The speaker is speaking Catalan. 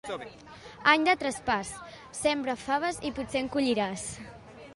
Any de traspàs, sembra faves i potser en colliràs.